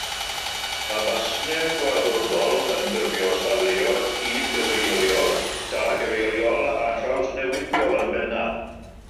Mae basnau gwaddodol yn ffurfio safleoedd cydgyfeiriol, dargyfeiriol a trawsnewidiol yn bennaf.